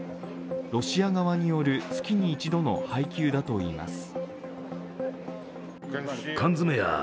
ロシア側による月に一度の配給だといいます。